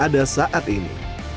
yang ada saat ini